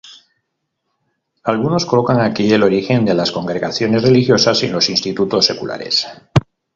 Algunos colocan aquí el origen de las Congregaciones religiosas y los institutos seculares.